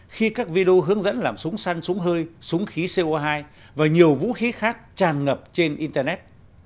khi các video hướng dẫn làm súng săn súng hơi súng khí co hai và nhiều vũ khí khác tràn ngập trên internet